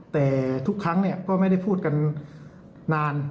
แต่ทุกครั้งก็ไม่ได้พูดกันนาน